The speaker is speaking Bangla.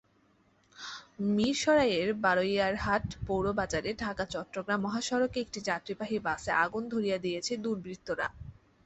মিরসরাইয়ের বারইয়ারহাট পৌর বাজারে ঢাকা-চট্টগ্রাম মহাসড়কে একটি যাত্রীবাহী বাসে আগুন ধরিয়ে দিয়েছে দুর্বৃত্তরা।